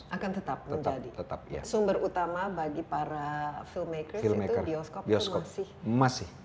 akan tetap menjadi sumber utama bagi para film maker itu bioskop itu masih